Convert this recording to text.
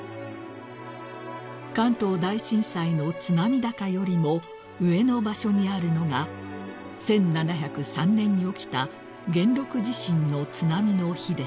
［関東大震災の津波高よりも上の場所にあるのが１７０３年に起きた元禄地震の津波の碑です］